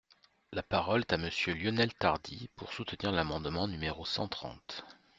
La parole est à Monsieur Lionel Tardy, pour soutenir l’amendement numéro cent trente.